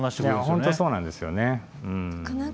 本当そうなんですよねうん。